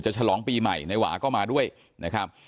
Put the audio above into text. ฉลองปีใหม่นายหวาก็มาด้วยนะครับ